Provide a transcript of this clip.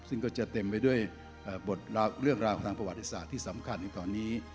ซึ่งก็จะเต็มไปด้วยเรื่องราวทางประวัติศาสตร์ที่สำคัญในตอนนี้